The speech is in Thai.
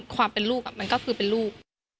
ความเป็นลูกมันก็คือเป็นลูก